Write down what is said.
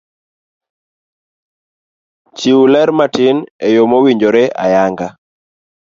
Chiw ler matin eyo mawinjore ayanga